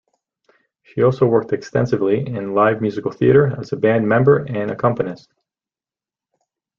She also worked extensively in live musical theatre as a band member and accompanist.